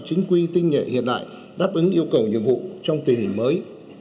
chính quy tinh nhuệ hiện đại đáp ứng yêu cầu nhiệm vụ trong tình hình mới